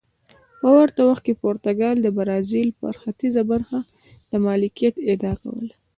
په ورته وخت کې پرتګال د برازیل پر ختیځه برخه د مالکیت ادعا کوله.